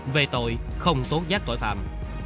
về tội không tố giác tội phạm